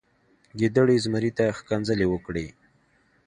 ګیدړې زمري ته ښکنځلې وکړې.